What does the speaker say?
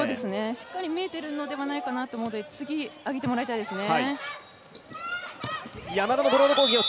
しっかり見えてるのではないかなと思うので、次、上げてもらいたいですね。